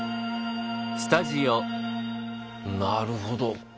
なるほど。